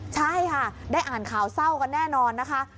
ใช่ค่ะได้อ่านข่าวเศร้ากันแน่นอนนะคะ